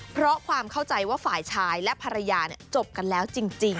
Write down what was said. เพราะความเข้าใจว่าฝ่ายชายและภรรยาจบกันแล้วจริง